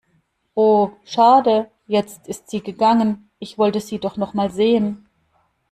Oh schade, jetzt ist sie gegangen. Ich wollte sie doch nochmal sehen.